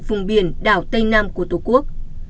vùng biển đảo tây nam của tổ quốc